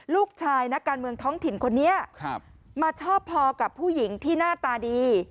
ลูกชายนักการเมืองท้องถิ่นคนนี้มาชอบพอกับผู้หญิงที่หน้าตาดี